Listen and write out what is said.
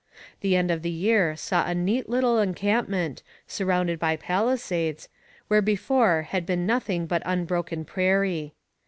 The end of the year saw a neat little encampment, surrounded by palisades, where before had been nothing but unbroken prairie.